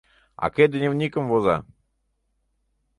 — А кӧ дневникым воза?